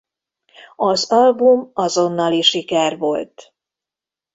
Az album azonnali siker volt.